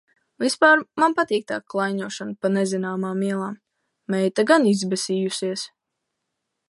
Vispār man patīk tā klaiņošana pa nezināmām ielām. Meita gan izbesījusies.